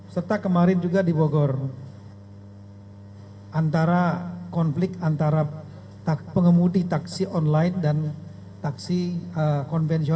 serta kemarin juga di bogor antara konflik antara pengemudi taksi online dan taksi konvensional